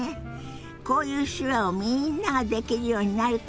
こういう手話をみんなができるようになるといいわよね。